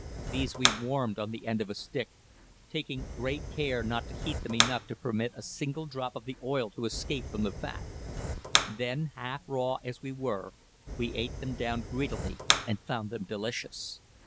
These we warmed on the end of a stick, taking great care not to heat them enough to permit a single drop of the oil to escape from the fat; then, half raw as they were, we ate them down greedily and found them delicious.